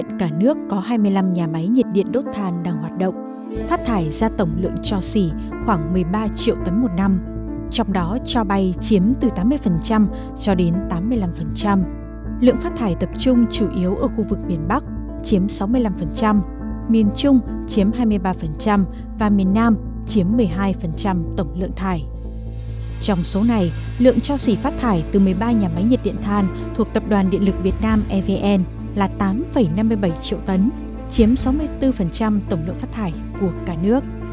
tập đoàn điện lực việt nam evn là tám năm mươi bảy triệu tấn chiếm sáu mươi bốn tổng lượng phát thải của cả nước